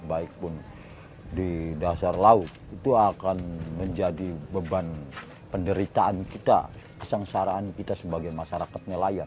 baik pun di dasar laut itu akan menjadi beban penderitaan kita kesengsaraan kita sebagai masyarakat nelayan